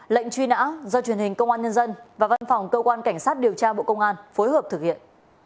lệnh truy nã do truyền hình công an nhân dân và văn phòng cơ quan cảnh sát điều tra bộ công an phối hợp thực hiện